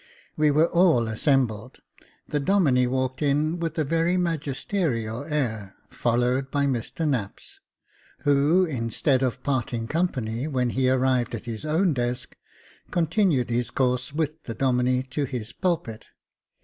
We were all assembled ; the Domine walked in with a very magisterial air, followed by Mr Knapps, who, instead of parting company when he arrived at his own desk, continued his course with the Domine to his pulpit.